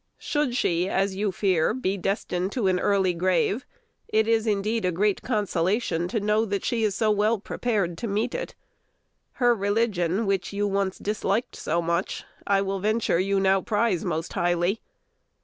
Should she, as you fear, be destined to an early grave, it is indeed a great consolation to know that she is so well prepared to meet it.. Her religion, which you once disliked so much, I will venture you now prize most highly.